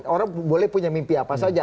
orang boleh punya mimpi apa saja